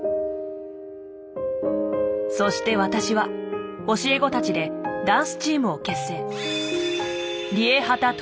そして私は教え子たちでダンスチームを結成。